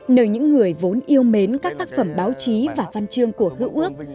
nơi những người vốn yêu mến các tác phẩm báo chí và văn chương của hữu ước